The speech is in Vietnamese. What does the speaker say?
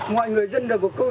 mọi người dân đều có câu